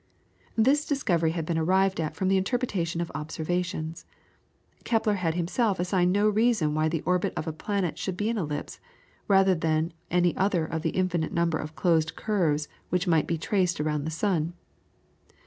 This discovery had been arrived at from the interpretation of observations. Kepler had himself assigned no reason why the orbit of a planet should be an ellipse rather than any other of the infinite number of closed curves which might be traced around the sun.